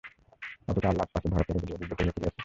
অতটা আহ্লাদ পাছে ধরা পড়ে বলিয়া বিব্রত হইয়া পড়িয়াছে।